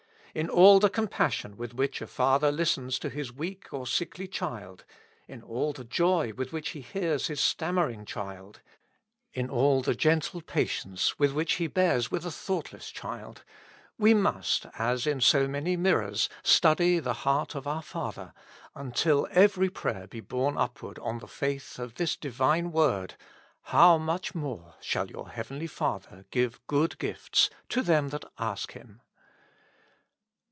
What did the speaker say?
In all the compassion with which a father listens to his weak or sickly child, in all the joy with which he hears his stammering child, in all the gentle patience with which he bears with a thoughtless child, we must, as in so many mirrors, study the heart of our Father, until every prayer be borne up ward on the faith of this Divine word: ^'Hozu much more shall your heavenly Father give good gifts to them that ask Him."